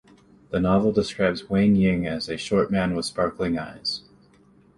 The novel describes Wang Ying as a short man with sparkling eyes.